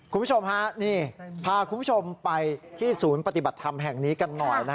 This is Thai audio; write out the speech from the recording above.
คุณผู้ชมฮะนี่พาคุณผู้ชมไปที่ศูนย์ปฏิบัติธรรมแห่งนี้กันหน่อย